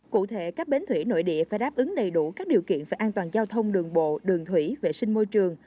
cụ thể các bến thủy nội địa phải đáp ứng đầy đủ các điều kiện về an toàn giao thông đường bộ đường thủy vệ sinh môi trường